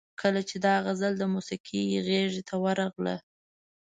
کله چې دا غزل د موسیقۍ غیږ ته ورغله.